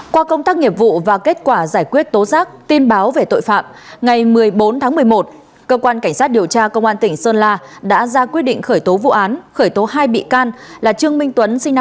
qua công tác nghiệp vụ và kết quả giải quyết tố giác tin báo về tội phạm ngày một mươi bốn tháng một mươi một cơ quan cảnh sát điều tra công an tỉnh sơn la đã ra quyết định khởi tố vụ án khởi tố hai bị can là trương minh tuấn sinh năm một nghìn chín trăm tám mươi ba